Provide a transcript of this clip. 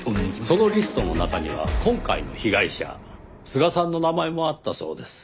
そのリストの中には今回の被害者須賀さんの名前もあったそうです。